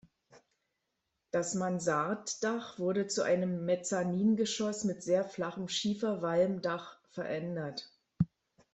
Das Mansarddach wurde zu einem Mezzaningeschoss mit sehr flachem Schiefer-Walmdach verändert.